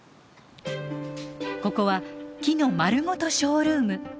ここは木のまるごとショールーム。